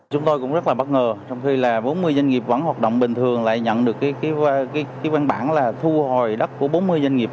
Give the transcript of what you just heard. chúng tôi cũng rất là bất ngờ trong khi là bốn mươi doanh nghiệp vẫn hoạt động bình thường lại nhận được cái văn bản là thu hồi đất của bốn mươi doanh nghiệp